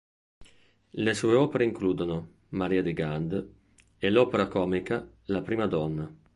Le sue opere includono "Maria di Gand" e l'opera comica "La Prima Donna".